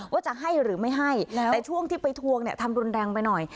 ว่าจะให้หรือไม่ให้แต่ช่วงที่ไปทวงเนี่ยทำรุนแรงไปหน่อย